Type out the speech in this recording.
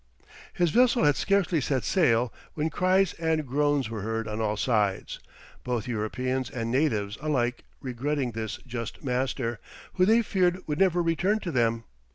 His vessel had scarcely set sail when cries and groans were heard on all sides, both Europeans and natives alike regretting this just master, who they feared would never return to them.